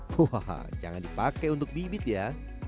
wah jangan dipakai untuk bibit ya